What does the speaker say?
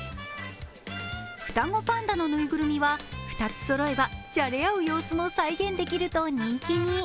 双子パンダのぬいぐるみは２つそろえばじゃれ合う様子も再現できると人気に。